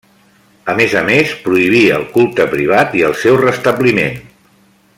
A més a més, prohibí el culte privat i el seu restabliment.